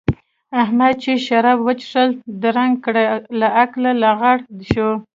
احمد چې شراب وڅښل؛ درنګ ګړۍ له عقله لغړ شو.